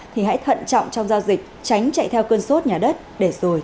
thì hãy thận trọng trong giao dịch tránh chạy theo cơn sốt nhà đất để rồi